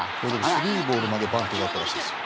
３ボールまでバントだったらしいですよ。